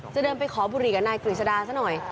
จะเดินไปขอบุหรี่กับนายกฤษดาซะหน่อย